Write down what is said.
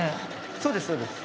そうですそうです。